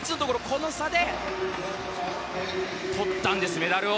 この差でとったんですメダルを。